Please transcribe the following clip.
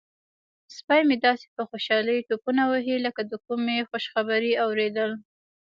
سپی مې داسې په خوشحالۍ ټوپونه وهي لکه د کومې خوشخبرۍ اوریدل.